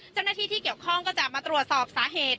เจ้าหน้าที่ที่เกี่ยวข้องก็จะมาตรวจสอบสาเหตุ